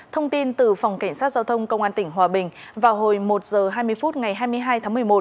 thông tin từ phòng cảnh sát giao thông công an tỉnh hòa bình vào hồi một h hai mươi phút ngày hai mươi hai tháng một mươi một